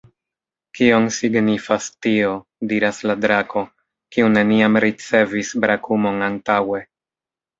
"Kion signifas tio?" diras la drako, kiu neniam ricevis brakumon antaŭe.